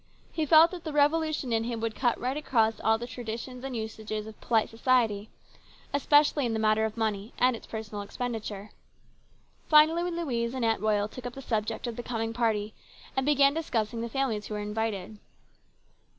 He felt that the revolution in him would cut right across all the traditions and usages of polite 184 HIS BROTHER'S KEEPER. society, especially in the matter of money and its personal expenditure. Finally Louise and Aunt Royal took up the subject of the coming party and began discussing the families who were invited.